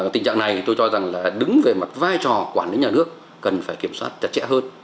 tình trạng này tôi cho rằng là đứng về mặt vai trò quản lý nhà nước cần phải kiểm soát chặt chẽ hơn